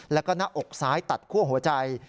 แล้วก็หน้าอกซ้ายตัดคั่วหัวใจ